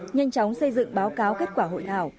nhanh chóng xây dựng báo cáo kết quả hội thảo